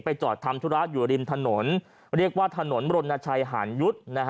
จอดทำธุระอยู่ริมถนนเรียกว่าถนนบรณชัยหารยุทธ์